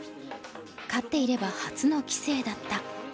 勝っていれば初の棋聖だった。